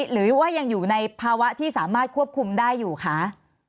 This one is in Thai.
หรือว่ายังอยู่ในภาวะที่สามารถควบคุมได้อยู่คะ